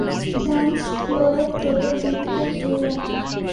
Dance ফ্লোরে তোদের জুটিটা সেই লাগে।